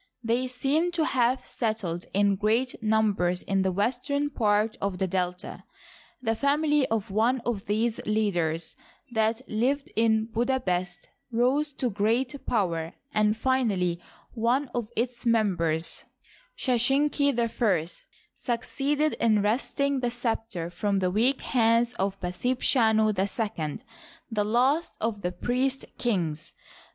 They seemed to have settled in great numbers in the western part of the Delta. The family of one of these leaders, that lived in Bubastis, rose to great power, and finally one of its members, Sheshenq I, succeeded in wresting the scepter from the weak hands of Paseb chanu II the last of the priest kings.